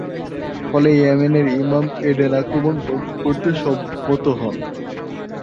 ফলে ইয়েমেনের ইমাম এডেন আক্রমণ বন্ধ করতে সম্মত হন।